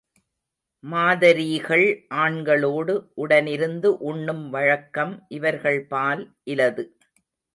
மாதரீகள் ஆண்களோடு உடனிருந்து உண்ணும் வழக்கம் இவர்கள்பால் இலது.